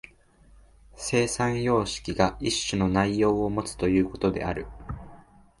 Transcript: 生産様式が一種の内容をもつということである。